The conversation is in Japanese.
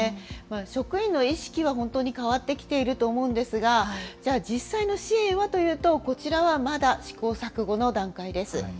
職員の意識は本当に変わってきていると思うんですが、じゃあ、実際の支援はというと、こちらはまだ試行錯誤の段階です。